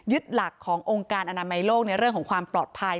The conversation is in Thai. หลักขององค์การอนามัยโลกในเรื่องของความปลอดภัย